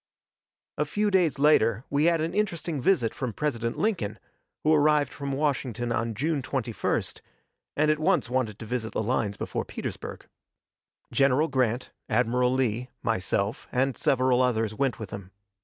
A few days later we had an interesting visit from President Lincoln, who arrived from Washington on June 21st, and at once wanted to visit the lines before Petersburg. General Grant, Admiral Lee, myself, and several others went with him.